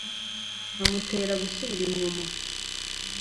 Nkamutera gusubira inyuma